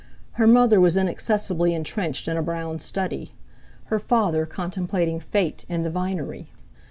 Her mother was inaccessibly entrenched in a brown study; her father contemplating fate in the vinery.